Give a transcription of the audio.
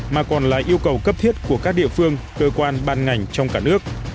mà còn là yêu cầu cấp thiết của các địa phương cơ quan ban ngành trong cả nước